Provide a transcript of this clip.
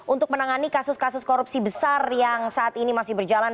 untuk menangani kasus kasus korupsi besar yang saat ini masih berjalan